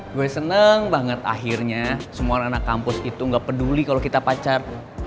gue seneng banget akhirnya semua anak anak kampus itu gak peduli kalau kita pacar